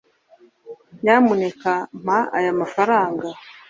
Nyamuneka mpa aya mafaranga